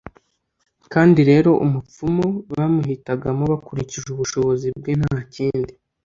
kandi rero umupfumu bamuhitagamo bakurikije ubushobozi bwe nta kindi.